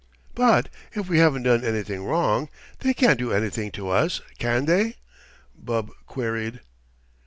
"But if we haven't done anything wrong, they can't do anything to us, can they?" Bub queried.